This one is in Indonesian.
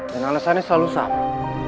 dan alasannya selalu sama